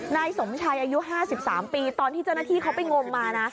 นายสมชัยอายุ๕๓ปีตอนที่เจ้าหน้าที่เขาไปงมมานะ